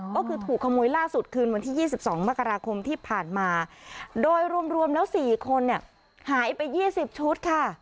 ก็คือถูกขโมยล่าสุดคืนวันที่ยี่สิบสองมกราคมที่ผ่านมาโดยรวมรวมแล้วสี่คนเนี้ยหายไปยี่สิบชุดค่ะ